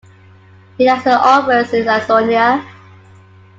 It has an office in Ansonia.